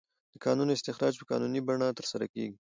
د کانونو استخراج په قانوني بڼه ترسره کیږي.